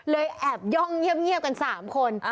แอบย่องเงียบกัน๓คน